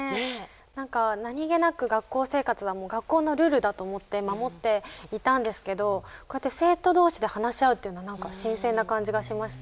何か何気なく学校生活は学校のルールだと思って守っていたんですけどこうやって生徒同士で話し合うっていうのは何か新鮮な感じがしました。